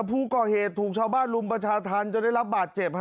ผู้ก่อเหตุถูกชาวบ้านรุมประชาธรรมจนได้รับบาดเจ็บ